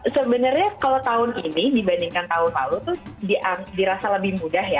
sebenarnya kalau tahun ini dibandingkan tahun lalu tuh dirasa lebih mudah ya